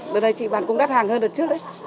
đợt này chị bán cũng đắt hàng hơn đợt trước đấy